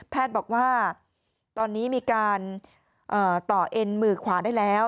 บอกว่าตอนนี้มีการต่อเอ็นมือขวาได้แล้ว